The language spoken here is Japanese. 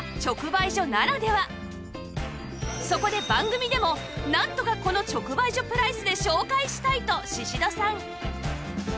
そこで「番組でもなんとかこの直売所プライスで紹介したい！」と宍戸さん